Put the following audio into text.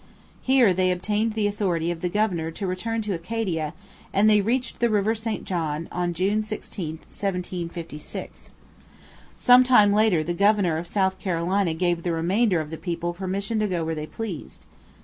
Here they obtained the authority of the governor to return to Acadia, and they reached the river St John on June 16, 1756. Some time later the governor of South Carolina gave the remainder of the people permission to go where they pleased.